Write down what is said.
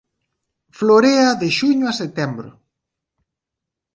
Florea de xuño a setembro.